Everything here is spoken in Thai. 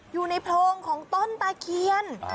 อยู่ในโพรงของต้นตะเคียน